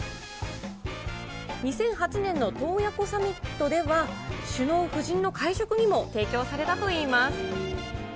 ２００８年の洞爺湖サミットでは、首脳夫人の会食にも提供されたといいます。